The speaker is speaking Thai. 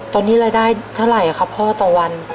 ตอนนี้รายได้เท่าไหร่ครับพ่อต่อวัน